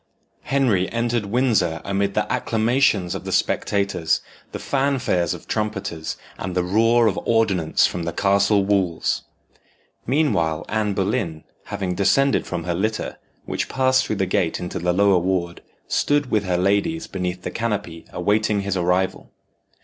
Henry entered Windsor amid the acclamations of the spectators, the fanfares of trumpeters, and the roar of ordnance from the castle walls. Meanwhile, Anne Boleyn, having descended from her litter, which passed through the gate into the lower ward, stood with her ladies beneath the canopy awaiting his arrival.